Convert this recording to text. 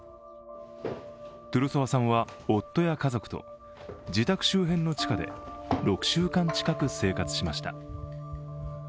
トゥルソワさんは、夫や家族と自宅周辺の地下で６週間近く生活しました。